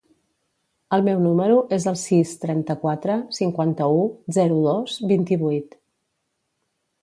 El meu número es el sis, trenta-quatre, cinquanta-u, zero, dos, vint-i-vuit.